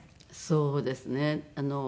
そうですね。